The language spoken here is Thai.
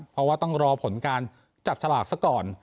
เพราะว่าต้องรอผลการจับฉลากซะก่อน